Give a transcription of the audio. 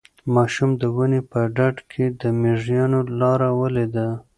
ماشوم د ونې په ډډ کې د مېږیانو لاره ولیده.